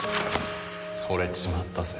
惚れちまったぜ。